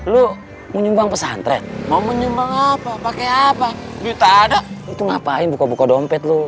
lu menyumbang pesantren mau menyumbang apa pakai apa itu ngapain buka buka dompet lu